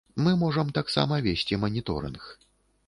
Мы можам таксама весці маніторынг.